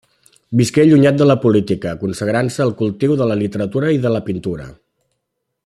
Visqué allunyat de la política, consagrant-se al cultiu de la literatura i de la pintura.